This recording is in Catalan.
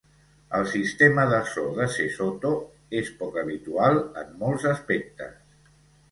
El sistema de so de Sesotho és poc habitual en molts aspectes.